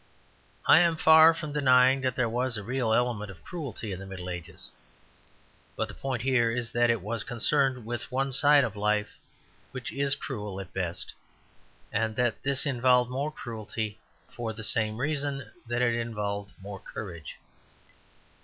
I am far from denying that there was a real element of cruelty in the Middle Ages; but the point here is that it was concerned with one side of life, which is cruel at the best; and that this involved more cruelty for the same reason that it involved more courage.